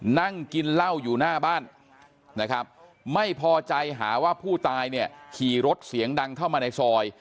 นั่งกินเหล้าอยู่หน้าบ้านนะครับไม่พอใจหาว่าผู้ตายเนี่ยขี่รถเสียงดังเข้ามาในซอย